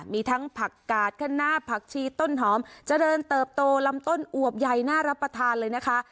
มีทั้งผักกาดข้างหน้าผักชีต้นหอมเจริญเติบโตลำต้นอวบใหญ่น่ารับประทานเลยนะคะ